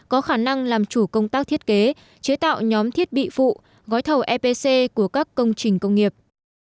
có khả năng làm chủ công tác thiết kế chế tạo nhóm thiết bị phụ gói thầu epc của các công trình công nghiệp